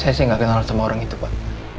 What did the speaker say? saya sih nggak kenal sama orang itu pak